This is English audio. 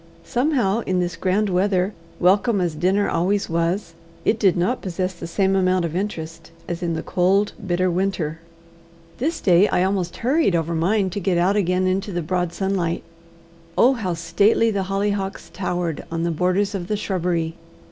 Somehow in this grand weather, welcome as dinner always was, it did not possess the same amount of interest as in the cold bitter winter. This day I almost hurried over mine to get out again into the broad sunlight. Oh, how stately the hollyhocks towered on the borders of the shrubbery!